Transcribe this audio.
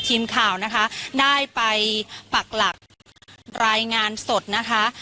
ทีมข่าวนะคะได้ไปปักหลักรายงานสดนะคะ